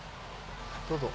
どうぞ。